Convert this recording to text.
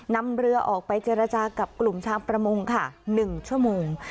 นำเรือออกไปเจรจากับกลุ่มชาวประมงค่ะ๑ชั่วโมง